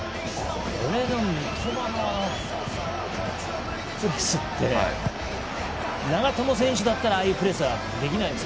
三笘のプレスって長友選手だったらああいうプレスはできないです。